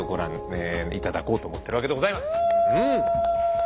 うん。